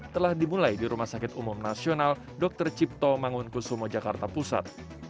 telah dimulai di rumah sakit umum nasional dr cipto mangunkusumo jakarta pusat